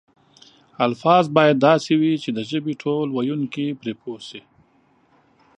الفاظ باید داسې وي چې د ژبې ټول ویونکي پرې پوه شي.